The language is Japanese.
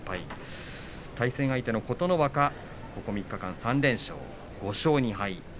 対戦相手は琴ノ若ここ３日間、３連勝５勝２敗です。